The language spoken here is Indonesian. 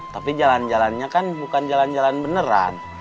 tapi jalan jalannya kan bukan jalan jalan beneran